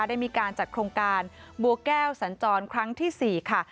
ได้มีการจัดโครงการบัวแก้วสัญจรครั้งที่๔ค่ะ